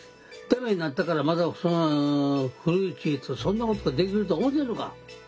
ダメになったからまた古市へとそんなことできると思てんのか！」。